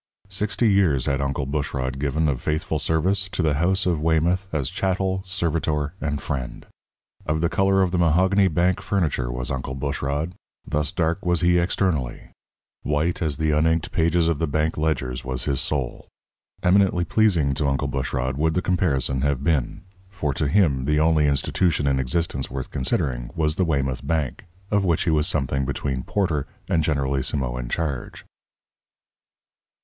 Sixty years had Uncle Bushrod given of faithful service to the house of Weymouth as chattel, servitor, and friend. Of the colour of the mahogany bank furniture was Uncle Bushrod thus dark was he externally; white as the uninked pages of the bank ledgers was his soul. Eminently pleasing to Uncle Bushrod would the comparison have been; for to him the only institution in existence worth considering was the Weymouth Bank, of which he was something between porter and generalissimo in charge.